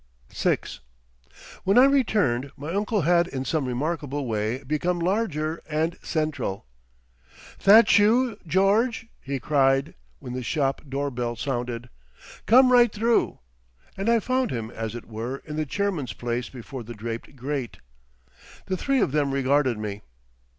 VI When I returned, my uncle had in some remarkable way become larger and central. "Tha'chu, George?" he cried, when the shop door bell sounded. "Come right through"; and I found him, as it were, in the chairman's place before the draped grate. The three of them regarded me.